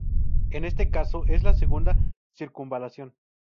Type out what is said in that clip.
En este caso, es la segunda circunvalación.